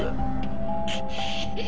くっ。